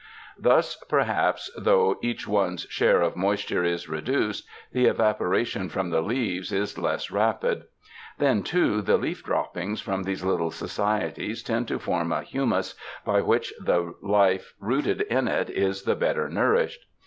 Thus, perhaps though each one's share of moisture is reduced, the evapo ration from the leaves is less rapid. Then, too, the leaf droppings from these little societies tend to form a humus, by which the life rooted in it is the better nourished.